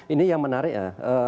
ini yang menarik ya